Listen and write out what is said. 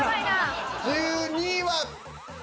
１２位は。